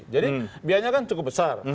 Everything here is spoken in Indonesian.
jadi biayanya kan cukup besar